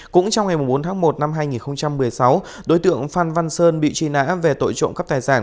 cũng trong ngày bốn tháng một năm hai nghìn một mươi sáu đối tượng phan văn sơn bị truy nã về tội trộm cắp tài sản